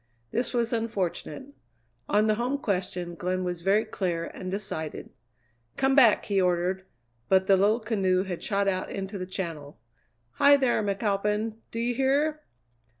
This was unfortunate: on the home question Glenn was very clear and decided. "Come back!" he ordered, but the little canoe had shot out into the Channel. "Hi, there McAlpin, do you hear?"